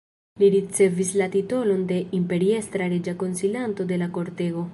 Li ricevis la titolon de imperiestra-reĝa konsilanto de la kortego.